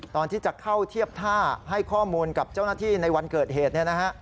ตอนที่จะเข้าเทียบท่าให้ข้อมูลกับเจ้าหน้าที่ในวันเกิดเหตุเนี่ยนะฮะ